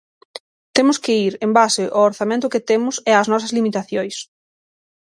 Temos que ir en base ao orzamento que temos e ás nosas limitacións.